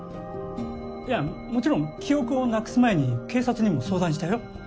いやもちろん記憶をなくす前に警察にも相談したよ。